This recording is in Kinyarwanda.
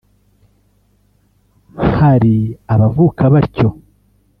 Hari abavuka batyo